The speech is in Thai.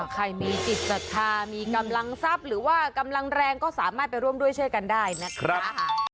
ใครมีจิตศรัทธามีกำลังทรัพย์หรือว่ากำลังแรงก็สามารถไปร่วมด้วยช่วยกันได้นะครับ